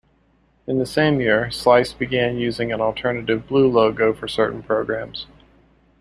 In the same year, Slice began using an alternative blue logo for certain programs.